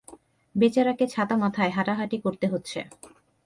বেচারাকে ছাতামাথায় হাঁটাহাটি করতে হচ্ছে।